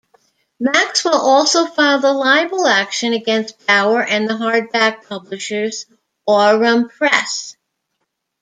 Maxwell also filed a libel action against Bower and the hardback publishers, Aurum Press.